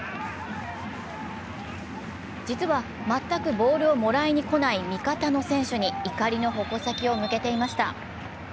実は全くボールをもらいにこない味方の選手に怒りの矛先を向けていました。